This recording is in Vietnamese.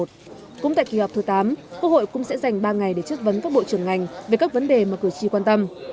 cũng tại kỳ họp thứ tám quốc hội cũng sẽ dành ba ngày để chất vấn các bộ trưởng ngành về các vấn đề mà cử tri quan tâm